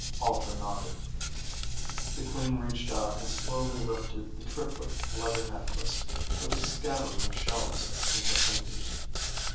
Alter nodded. The Queen reached out and slowly lifted the triplet leather necklace with its scattering of shells in her fingers.